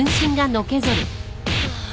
ああ。